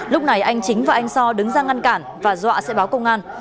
lúc này anh chính và anh so đứng ra ngăn cản và dọa sẽ báo công an